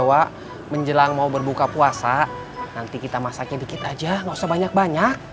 bawa menjelang mau berbuka puasa nanti kita masaknya dikit aja nggak usah banyak banyak